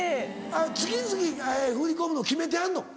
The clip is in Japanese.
月々振り込むの決めてはんの？